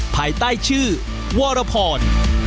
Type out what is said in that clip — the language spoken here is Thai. ภายใต้ชื่อวรพร